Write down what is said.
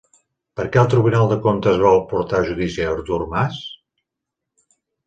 Per què el tribunal de comptes vol portar a judici a Artur Mas?